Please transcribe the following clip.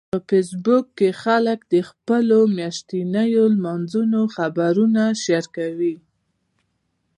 په فېسبوک کې خلک د خپلو میاشتنيو لمانځنو خبرونه شریکوي